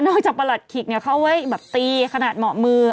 จากประหลัดขิกเขาไว้แบบตีขนาดเหมาะมือ